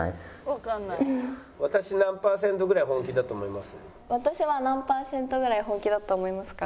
「私何パーセントぐらい本気だと思います？」。